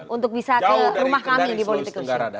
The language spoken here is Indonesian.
untuk bisa ke rumah kami di politik usia